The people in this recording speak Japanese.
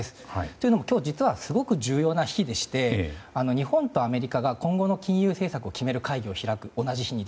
というのも、今日はすごく重要な日でして日本とアメリカが今後の金融政策を決める会議を開く同じ日に。